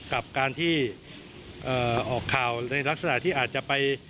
กับการที่ออกข่าวในลักษณะที่อาจจะไป